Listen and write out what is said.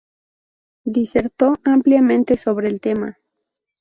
disertó ampliamente sobre el tema